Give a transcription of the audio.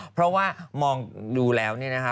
เพราะว่ามองดูแล้วเนี่ยนะคะ